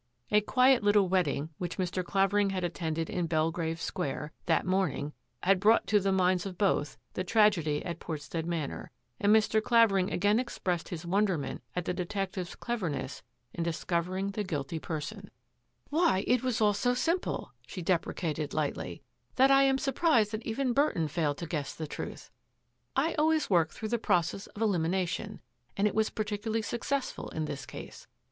A quiet little wedding which Mr. Clavering had attended in Belgrave Square that morning had brought to the minds of both the tragedy at Port stead Manor, and Mr. Clavering again expressed his wonderment at the detective's cleverness in discovering the guilty person. 25S OFF FOR THE CONTINENT «69 "Why, it was all so simple,'* she deprecated lightly, " that I am surprised that even Burton failed to guess the truth. I always work through the process of elimination, and it was particularly successful in this case.